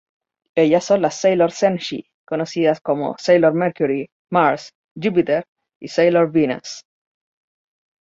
Ellas son las Sailor Senshi conocidas como Sailor Mercury, Mars, Jupiter y Sailor Venus.